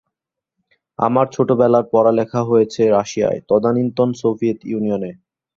আমার ছোটবেলার পড়ালেখা হয়েছে রাশিয়ায়, তদানীন্তন সোভিয়েত ইউনিয়নে।